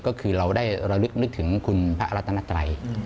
ก็คือเราได้ระลึกนึกถึงคุณพระอรัตนัตรัย